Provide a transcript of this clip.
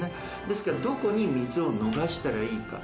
ですからどこに水を逃したらいいか。